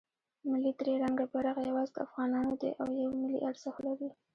ملی درې رنګه بیرغ یواځې د افغانانو دی او یو ملی ارزښت دی.